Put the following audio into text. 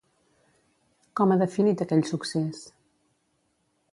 Com ha definit aquell succés?